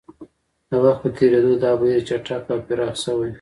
د وخت په تېرېدو دا بهیر چټک او پراخ شوی